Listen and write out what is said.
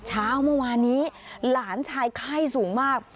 เช้าเมื่อวานนี้หลานชายไข้สูงมาก